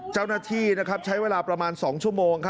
เจ้าหน้าที่ใช้เวลาประมาณ๒ชั่วโมง